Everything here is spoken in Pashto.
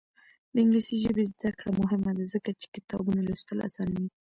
د انګلیسي ژبې زده کړه مهمه ده ځکه چې کتابونه لوستل اسانوي.